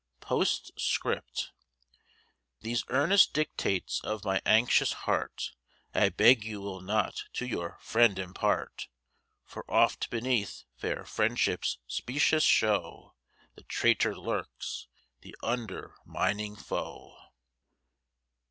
POSTSCRIPT. These earnest dictates of my anxious heart I beg you will not to your friend impart; For oft beneath fair friendship's specious show, The traitor lurks, the undermining foe.